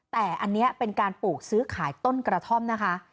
แต่อันนี้เป็นการปลูกซื้อขายต้นกระท่อมนะคะ